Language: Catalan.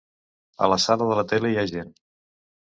A la sala de la tele hi ha gent.